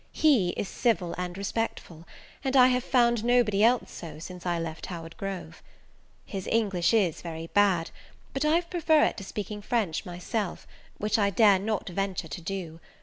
He is civil and respectful, and I have found nobody else so since I left Howard Grove. His English is very bad; but I prefer it to speaking French myself, which I dare not venture to do.